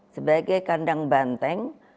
sebagai kandang banteng